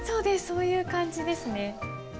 そういう漢字ですね。